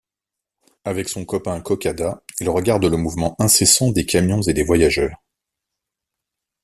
Avec son copain Cocada, ils regardent le mouvement incessant des camions et des voyageurs.